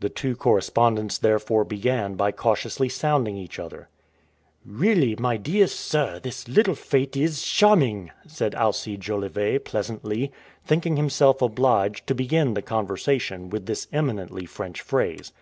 The two correspondents therefore began by cautiously sounding each other. "Really, my dear sir, this little fête is charming!" said Alcide Jolivet pleasantly, thinking himself obliged to begin the conversation with this eminently French phrase.